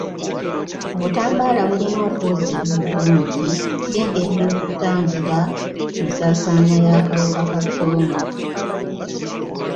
Obutambaala bulina okwozebwa obulungi ng'engeri y'okutangira ensaasaana y'akawuka ka kolona.